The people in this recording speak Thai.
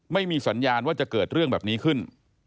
ไม่มีสัญญาณว่าจะเกิดเรื่องแบบนี้ขึ้น